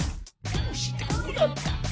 どうしてこうなった？」